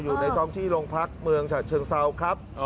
อยู่ในท้องที่โรงพักเมืองฉะเชิงเซาครับ